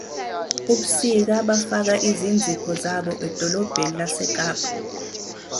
Ubusika bafaka izinzipho zabo edolobheni laseKapa.